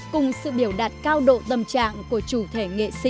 cùng sự biểu đạt cao độ tâm trạng của chủ thể